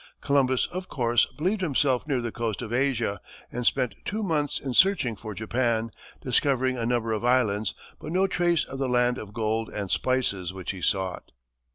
Columbus, of course, believed himself near the coast of Asia, and spent two months in searching for Japan, discovering a number of islands, but no trace of the land of gold and spices which he sought.